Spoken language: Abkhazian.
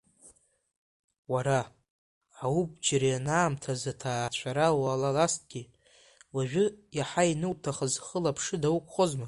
Уара, аубџьыр, ианаамҭаз аҭаацәара уалалазҭгьы, уажәы, иаҳа иануҭахыз, хылаԥшыда уқәхозма?